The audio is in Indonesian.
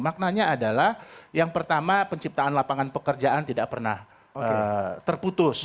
maknanya adalah yang pertama penciptaan lapangan pekerjaan tidak pernah terputus